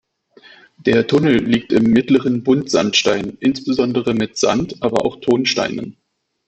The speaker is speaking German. Der Tunnel liegt im Mittleren Buntsandstein insbesondere mit Sand-, aber auch Tonsteinen.